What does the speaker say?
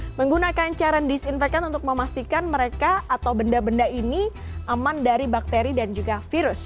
kita menggunakan cairan disinfektan untuk memastikan mereka atau benda benda ini aman dari bakteri dan juga virus